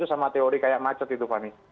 sama teori kayak macet itu fani